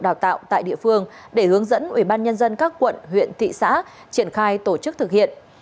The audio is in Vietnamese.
đào tạo tại địa phương để hướng dẫn ubnd các quận huyện thị xã triển khai tổ chức thực hiện